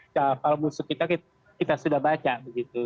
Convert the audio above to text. kalau musuh kita kita sudah baca begitu